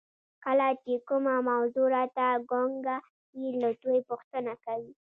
کله چې کومه موضوع راته ګونګه وي له دوی پوښتنه کوم.